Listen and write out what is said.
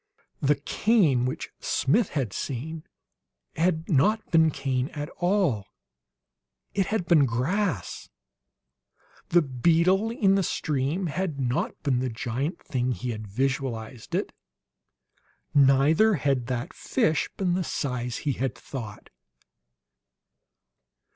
The "cane" which Smith had seen had not been cane at all; it had been grass. The "beetle" in the stream had not been the giant thing he had visualized it; neither had that fish been the size he had thought.